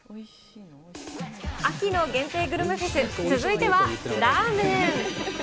秋の限定グルメフェス、続いてはラーメン。